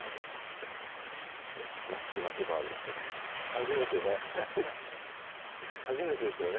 マスクなしバージョンで初めてね初めてですよね